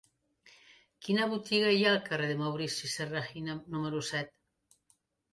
Quina botiga hi ha al carrer de Maurici Serrahima número set?